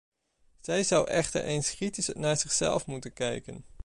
Zij zou echter eens kritisch naar zichzelf moeten kijken.